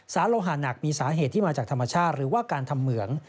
โลหาหนักมีสาเหตุที่มาจากธรรมชาติหรือว่าการทำเหมือง